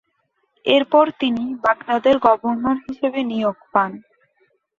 এরপর তিনি বাগদাদের গভর্নর হিসেবে নিয়োগ পান।